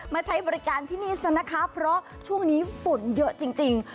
ใช้บริการที่นี่ซะนะคะเพราะช่วงนี้ฝนเยอะจริง